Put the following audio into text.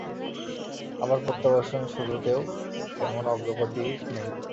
আবার প্রত্যাবাসন শুরুতেও তেমন অগ্রগতি নেই।